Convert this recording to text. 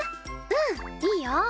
うんいいよ。